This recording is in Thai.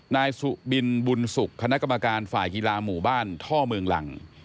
นายสุบินบุญสุขคณะกรรมการฝ่ายกีฬาหมู่บ้านท่อเมืองหลัง